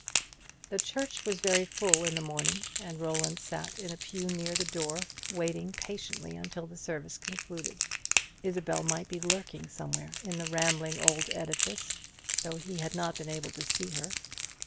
The church was very full in the morning, and Roland sat in a pew near the door, waiting patiently until the service concluded. Isabel might be lurking somewhere in the rambling old edifice, though he had not been able to see her.